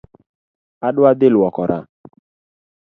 Adwa dhi luokora